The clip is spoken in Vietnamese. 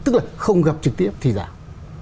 tức là không gặp trực tiếp thì giảm